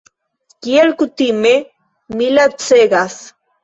Kiel kutime, mi lacegas.